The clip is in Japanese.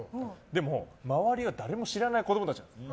でも、周りは誰も知らない子供たちなんです。